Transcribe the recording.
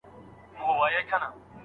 څېړونکی باید د خپلو پایلو دفاع وکړي.